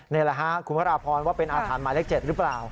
นี่แหละฮะคุณพระราพรว่าเป็นอาคารหมายเลข๗หรือเปล่า